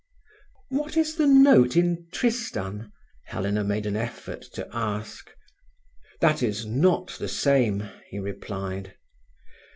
"What is the note in Tristan?" Helena made an effort to ask. "That is not the same," he replied.